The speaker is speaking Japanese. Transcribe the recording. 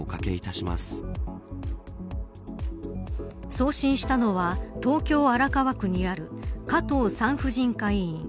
送信したのは東京、荒川区にある加藤産婦人科医院。